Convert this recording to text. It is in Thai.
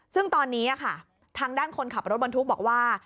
ซึ่งตอนนี้ค่ะทางด้านคนขับรถบรรทุกบอกว่า